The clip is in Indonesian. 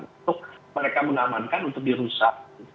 untuk mereka mengamankan untuk dirusak